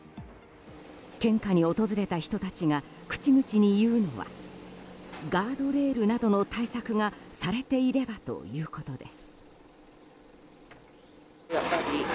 献花に訪れた人たちが口々に言うのはガードレールなどの対策がされていればということです。